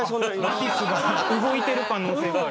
マティスが動いてる可能性がある。